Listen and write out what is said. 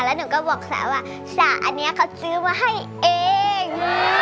แล้วหนูก็บอกสระว่าสระอันนี้เขาซื้อมาให้เอง